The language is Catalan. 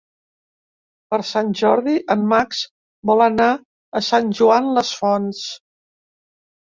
Per Sant Jordi en Max vol anar a Sant Joan les Fonts.